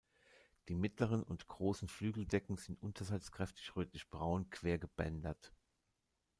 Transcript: Die mittleren und großen Flügeldecken sind unterseits kräftig rötlich braun quergebändert.